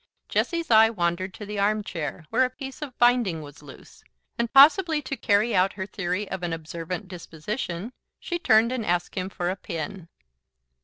Jessie's eye wandered to the armchair, where a piece of binding was loose, and, possibly to carry out her theory of an observant disposition, she turned and asked him for a pin.